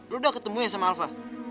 lu udah ketemuin sama alva